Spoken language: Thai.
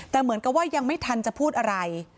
แต่เหมือนกับว่ายังไม่ทันจะพูดอะไร